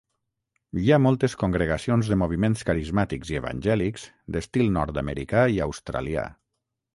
Hi ha moltes congregacions de moviments carismàtics i evangèlics d'estil nord-americà i australià.